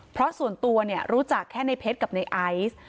เพราะส่วนตัวรู้จักแค่ในเพชรกับในไอซ์